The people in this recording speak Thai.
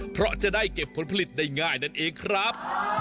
เพราะจะได้เก็บผลผลิตได้ง่ายนั่นเองครับ